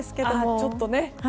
ちょっとね。